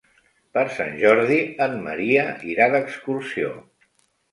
Per Sant Jordi en Maria irà d'excursió.